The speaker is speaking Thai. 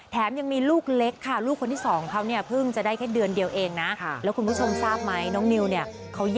แถมยังมีลูกเล็กค่ะลูกคนที่สองเขาเนี่ยพึ่งจะได้แค่เดือนเดียวเองนะ